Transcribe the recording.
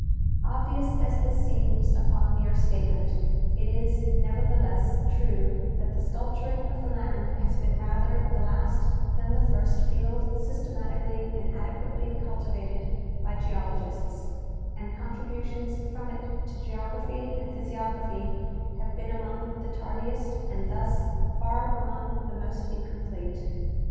Obvious as this seems upon mere statement, it is nevertheless, true that the sculpturing of the land has been rather the last than the first field systematically and adequately cultivated by geologists, and contributions from it to geography and physi ograph}^ have been among the tardiest and thus far among the most incomplete.